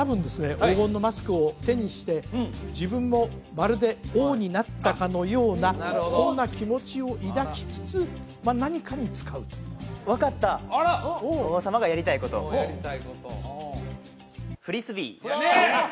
黄金のマスクを手にして自分もまるで王になったかのようなそんな気持ちを抱きつつ何かに使うと分かった王様がやりたいことやりたいことやめえ！